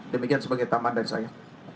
demikian sebagai tambahan dari saya